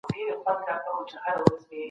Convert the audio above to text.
د برس پاکوالی د خولې روغتیا تضمینوي.